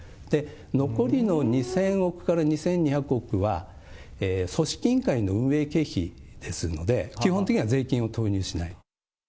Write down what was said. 残りの２０００億から２２００億は、組織委員会の運営経費ですので、基本的には税金を投入しない。